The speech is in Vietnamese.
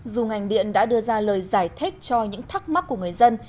dù ngành điện đã đưa ra lời giải thích cho những thắc mắc của người dân